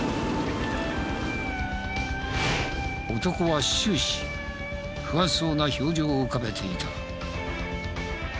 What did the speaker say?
男は終始不安そうな表情を浮かべていた。